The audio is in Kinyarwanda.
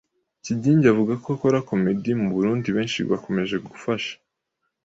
Kigingi avuga ko abakora 'comédie' mu Burundi benshi bakomeje gufasha